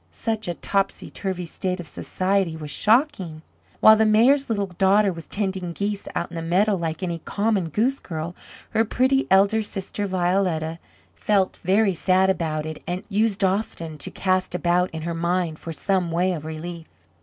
Such a topsy turvy state of society was shocking. While the Mayor's little daughter was tending geese out in the meadow like any common goose girl, her pretty elder sister, Violetta, felt very sad about it and used often to cast about in her mind for some way of relief.